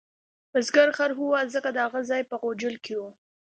بزګر خر وواهه ځکه د هغه ځای په غوجل کې و.